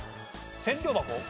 千両箱。